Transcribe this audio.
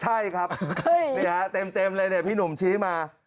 ใช่ครับเต็มเลยพี่หนุ่มชี้มา